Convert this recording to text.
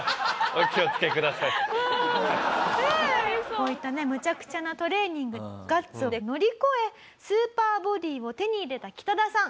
こういったねむちゃくちゃなトレーニングにガッツで乗り越えスーパーボディーを手に入れたキタダさん。